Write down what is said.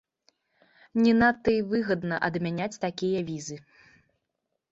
Не надта і выгадна адмяняць такія візы.